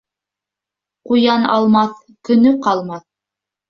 Ҡуян алмаҫ, көнө ҡалмаҫ.